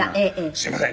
「すいません」